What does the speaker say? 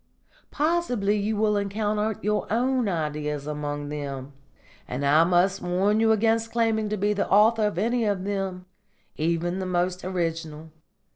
Possibly you will encounter your own ideas among them; and I must warn you against claiming to be the author of any of them, even the most original.